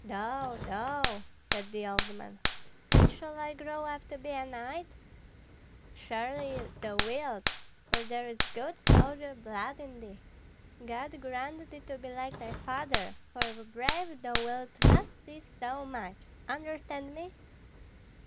"Thou, thou!" said the old man. "And shall I grow up to be a knight?" "Surely thou wilt, for there is good soldier blood in thee. God grant thee to be like thy father; for if brave thou wilt not tease so much understand me?"